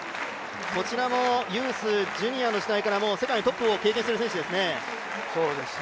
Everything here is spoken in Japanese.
こちらもユース、ジュニアの時代から世界のトップを経験する選手ですね。